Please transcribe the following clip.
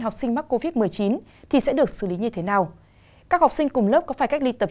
học sinh mắc covid một mươi chín thì sẽ được xử lý như thế nào các học sinh cùng lớp có phải cách ly tập